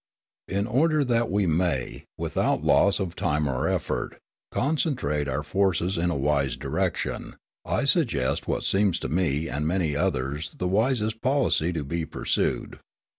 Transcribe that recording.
In order that we may, without loss of time or effort, concentrate our forces in a wise direction, I suggest what seems to me and many others the wisest policy to be pursued.